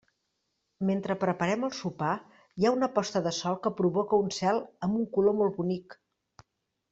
Mentre preparem el sopar, hi ha una posta de sol que provoca un cel amb un color molt bonic.